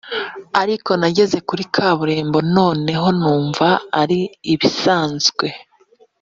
ariko nageze kuri kaburimbo noneho numva ari ibisanzwe